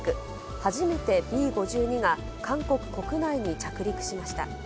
初めてＢ５２が韓国国内に着陸しました。